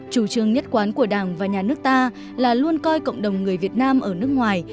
chủ trương nhất quán của đảng và nhà nước ta là luôn coi cộng đồng người việt nam ở nước ngoài